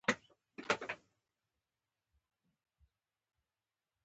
ستړې مه شئ